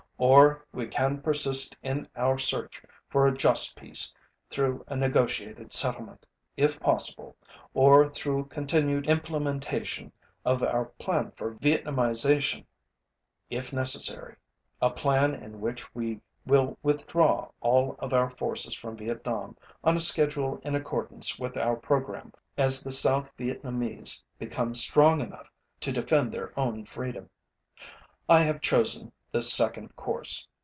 Or we can persist in our search for a just peace through a negotiated settlement, if possible, or through continued implementation of our plan for Vietnamization, if necessary a plan in which we will withdraw all of our forces from Vietnam on a schedule in accordance with our program as the South Vietnamese become strong enough to defend their own freedom. I have chosen this second course.